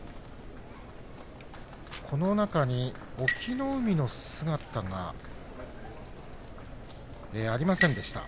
この中に隠岐の海の姿がありませんでした。